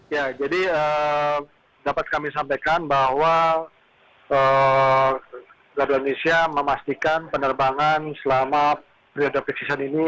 ya jadi dapat kami sampaikan bahwa garuda indonesia memastikan penerbangan selama periode peak season ini